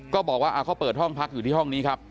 ก็บอกว่าเขาเปิดห้องพักอยู่ที่ห้องนี้ครับ